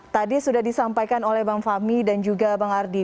tadi sudah disampaikan oleh bang fahmi dan juga bang ardi